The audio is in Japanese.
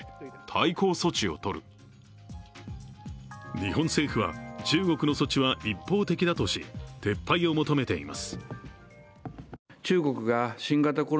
日本政府は、中国の措置は一方的だとし撤廃を求めています。